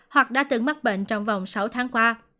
hoặc đã từng mắc bệnh trong vòng sáu tháng qua